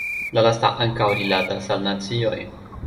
La lasta ankaŭ rilatas al nacioj.